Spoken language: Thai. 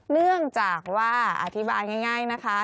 เนื่องจากว่าอธิบายง่ายนะคะ